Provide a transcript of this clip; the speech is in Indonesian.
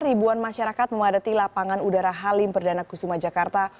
ribuan masyarakat memadati lapangan udara halim perdana kusuma jakarta